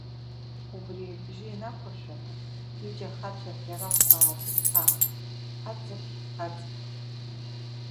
Убри ибжьы инақәыршәаны, ҩыџьа ахацәа ркьарахәқәа ааҭырԥаан, аҵықь, аҵықь!